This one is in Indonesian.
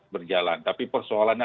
berjalan tapi persoalannya